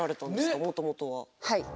もともとは。